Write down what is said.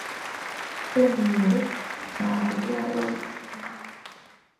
圣母玛利亚为金马刺教宗骑士团的主保圣人。